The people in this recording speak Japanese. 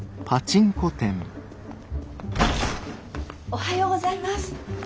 おはようございます。